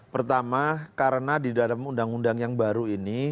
pertama karena di dalam undang undang yang baru ini